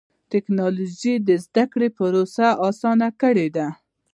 ټکنالوجي د زدهکړې پروسه اسانه کړې ده.